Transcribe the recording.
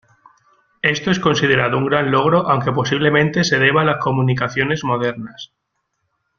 Esto es considerado un gran logro aunque posiblemente se deba a las comunicaciones modernas.